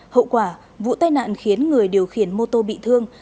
hậu quả vụ tai nạn khiến người điều khiển mô tô bị thương